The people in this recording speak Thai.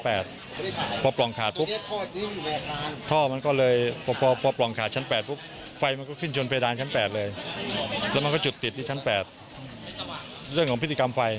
เรื่องของพฤติกรรมไฟก็เรียกว่าพฤติกรรมไฟ